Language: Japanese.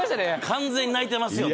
完全に泣いてますよね